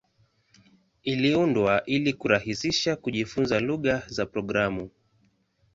Iliundwa ili kurahisisha kujifunza lugha za programu.